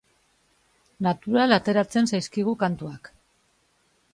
Natural ateratzen zaizkigu kantuak.